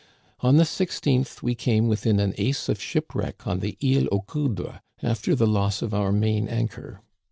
On the i6th we came within an ace of shipwreck on the Isle aux Coudres, after the loss of our main anchor.